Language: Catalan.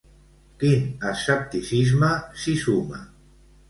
Quin escepticisme s'hi suma?